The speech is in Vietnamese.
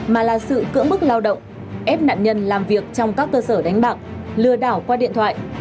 mà là sự cưỡng bức lao động ép nạn nhân làm việc trong các cơ sở đánh bạc lừa đảo qua điện thoại